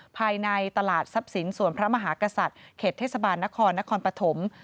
ภายในตลาดทรัพย์สินส่วนพระมหากษัตริย์เขตเทศบาลนครนครปฐม